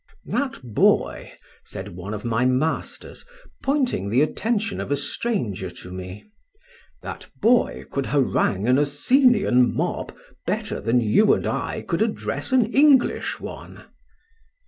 "That boy," said one of my masters, pointing the attention of a stranger to me, "that boy could harangue an Athenian mob better than you and I could address an English one."